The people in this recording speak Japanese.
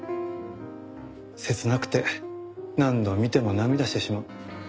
切なくて何度見ても涙してしまう。